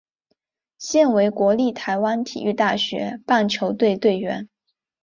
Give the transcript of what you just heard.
现为国立台湾体育大学棒球队队员。